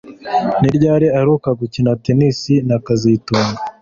Ni ryari uheruka gukina tennis na kazitunga